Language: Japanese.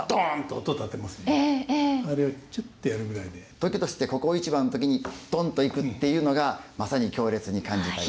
時としてここ一番の時に「トン」っていくっていうのがまさに強烈に感じたり。